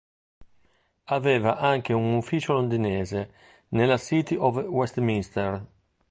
Aveva anche un ufficio londinese nella City of Westminster.